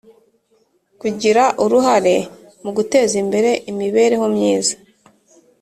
Kugira uruhare mu guteza imbere imibereho myiza